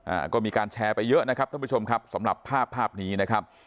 อ่าก็มีการแชร์ไปเยอะนะครับท่านผู้ชมครับสำหรับภาพภาพนี้นะครับ